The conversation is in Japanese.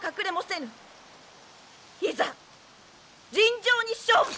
いざ尋常に勝負！